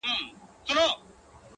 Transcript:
له نيکه را پاته سوی په ميراث دی-